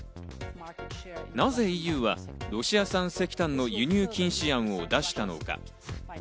なぜＥＵはロシア産石炭の輸入禁止案を出したのか。